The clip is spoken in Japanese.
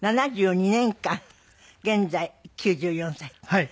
はい。